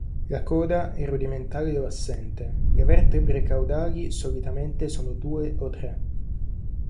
La coda è rudimentale o assente, le vertebre caudali solitamente sono due o tre.